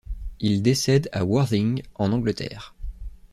Il décède à Worthing, en Angleterre.